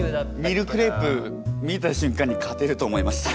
ミルクレープ見た瞬間に勝てると思いました。